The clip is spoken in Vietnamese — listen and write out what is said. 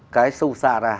cái sâu xa ra